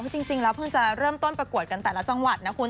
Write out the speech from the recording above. จริงแล้วเพิ่งจะเริ่มต้นประกวดกันแต่ละจังหวัดนะคุณ